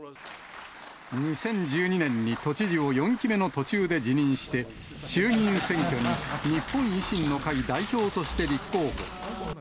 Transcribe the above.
２０１２年に都知事を４期目の途中で辞任して、衆議院選挙に日本維新の会代表として立候補。